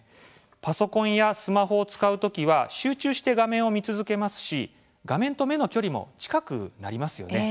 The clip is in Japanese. パソコンやスマホを使う時は集中して画面を見続けますし画面と目の距離も近くなりますよね。